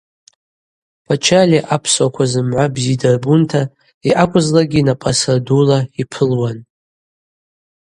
Пачалиа апсыуаква зымгӏва бзи дырбунта йъакӏвызлакӏгьи напӏасра дула йпылуан.